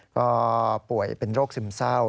ก็ป่วยเป็นโรคซึมเศร้า